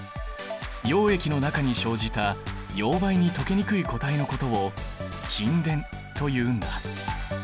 溶液の中に生じた溶媒に溶けにくい固体のことを沈殿というんだ。